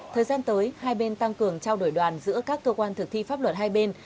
thời gian tới hai bên tăng cường trao đổi đoàn giữa các cơ quan thực thi pháp luật hai bên